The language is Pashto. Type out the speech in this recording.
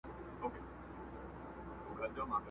نر او ښځو به نارې وهلې خدایه٫